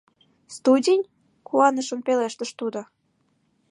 Студень? — куанышын пелештыш тудо.